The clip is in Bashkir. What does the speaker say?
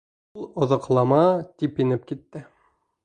Ул, оҙаҡлама, тип инеп китте.